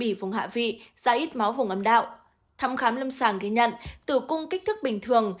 đạo tạ vị ra ít máu vùng âm đạo thăm khám lâm sàng ghi nhận tử cung kích thước bình thường